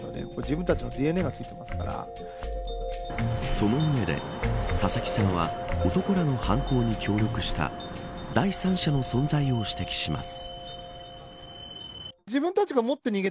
その上で佐々木さんは男らの犯行に協力した第三者の存在を指摘します。